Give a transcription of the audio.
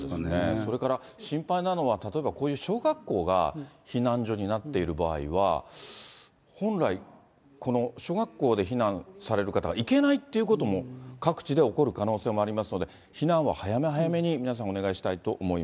それから心配なのは、例えばこういう小学校が避難所になっている場合は、本来この小学校で避難される方が行けないということも各地で起こる可能性もありますので、避難は早め早めに皆さん、お願いしたい